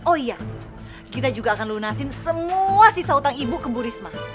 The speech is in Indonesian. oh iya kita juga akan lunasin semua sisa hutang ibu ke bu risma